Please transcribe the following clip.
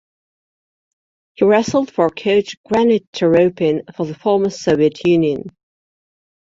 He wrestled for coach Granit Taropin for the former Soviet Union.